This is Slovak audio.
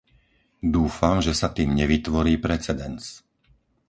Dúfam, že sa tým nevytvorí precedens.